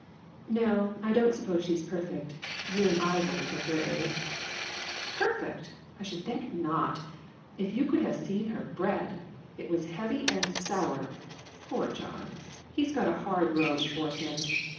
"No, I don't suppose she's perfect. You and I weren't at her age." " Perfect ! I should think not. If you could have seen her bread ! It was heavy and sour. Poor John ! He's got a hard row before him.